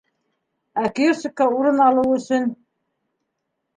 Ә киоскка урын алыу өсөн?